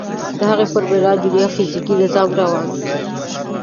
د هغوی پر بنا د دنیا فیزیکي نظام روان دی.